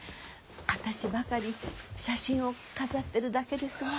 形ばかり写真を飾ってるだけですが。